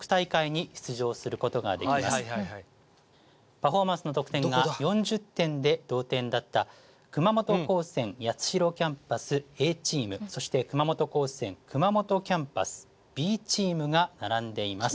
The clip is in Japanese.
パフォーマンスの得点が４０点で同点だった熊本高専八代キャンパスＡチームそして熊本高専熊本キャンパスＢチームが並んでいます。